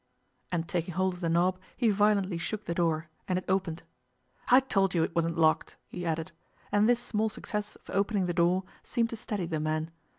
And, taking hold of the knob, he violently shook the door, and it opened. 'I told you it wasn't locked,' he added, and this small success of opening the door seemed to steady the man.